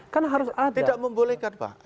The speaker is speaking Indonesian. kan harus tidak membolehkan pak